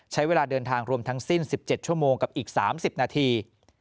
ใช้เวลาเดินทางรวมทั้งสิ้น๑๗ชั่วโมงกับอีก๓๐นาที